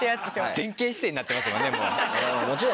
前傾姿勢になってますもんね。